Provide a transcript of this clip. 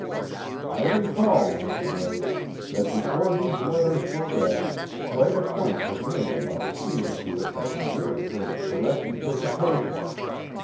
"I recall, Miss Blake, that before these letters were read, quite a point was made about seeing to it that the jury heard a correct interpretation.